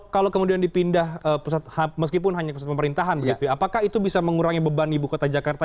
kalau kemudian dipindah meskipun hanya pusat pemerintahan apakah itu bisa mengurangi beban ibu kota jakarta